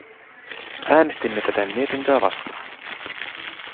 Äänestimme täten mietintöä vastaan.